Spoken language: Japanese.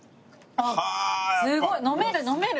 すごい。飲める飲める。